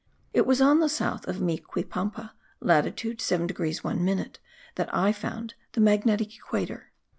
It was on the south of Micuipampa (latitude 7 degrees 1 minute) that I found the magnetic equator.